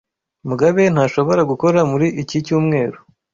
Mugabe ntashobora gukora muri iki cyumweru.